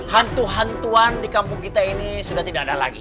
hantu hantuan di kampung kita ini sudah tidak ada lagi